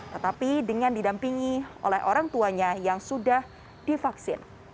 tetapi dengan didampingi oleh orang tuanya yang sudah divaksin